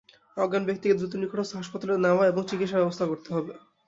অজ্ঞান ব্যক্তিকে দ্রুত নিকটস্থ হাসপাতালে নেওয়া এবং চিকিৎসার ব্যবস্থা করতে হবে।